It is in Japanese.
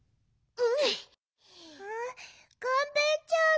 うん。